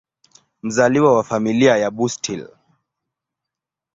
Mzaliwa wa Familia ya Bustill.